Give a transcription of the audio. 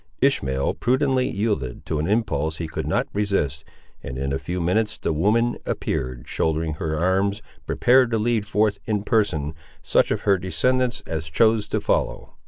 Ishmael prudently yielded to an impulse he could not resist, and in a few minutes the woman appeared, shouldering her arms, prepared to lead forth, in person, such of her descendants as chose to follow.